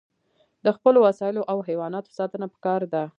د خپلو وسایلو او حیواناتو ساتنه پکار ده.